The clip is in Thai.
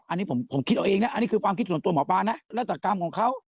อันนี้ผมคิดเอาเองนะอันนี้คือความคิดส่วนตัวหมอปลานะแล้วแต่กรรมของเขา